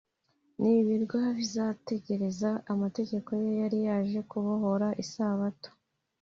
n’ibirwa bizategereza amategeko ye Yari yaje kubohora Isabato